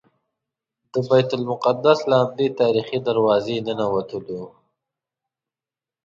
د بیت المقدس له همدې تاریخي دروازې ننوتلو.